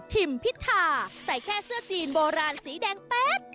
พิธาใส่แค่เสื้อจีนโบราณสีแดงแป๊บ